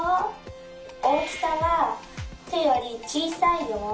大きさはてよりちいさいよ。